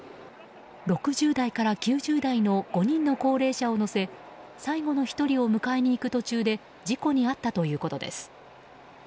６０代から９０代の５人の高齢者を乗せ最後の１人を迎えに行く途中で事故に遭ったということです。